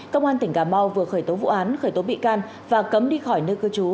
công an tỉnh cà mau vừa khởi tố vụ án khởi tố bị can và cấm đi khỏi nơi cư trú